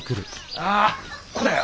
ああここだよ。